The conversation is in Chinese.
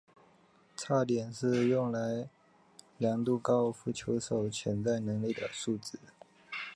差点是用来量度高尔夫球手潜在能力的数值。